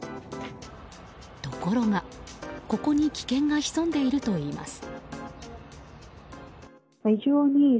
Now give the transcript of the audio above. ところが、ここに危険が潜んでいるといいます。